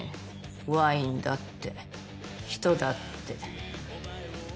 ワインだって人だって。